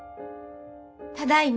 ただいま。